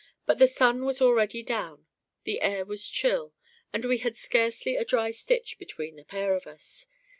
But the sun was already down; the air was chill; and we had scarcely a dry stitch between the pair of us.